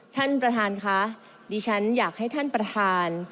ท่านประธานค่ะดิฉันอยากให้ท่านประธาน